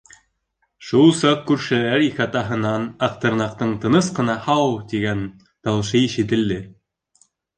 Шул саҡ күршеләр ихатаһынан Аҡтырнаҡтың тыныс ҡына «һау» тигән тауышы ишетелде.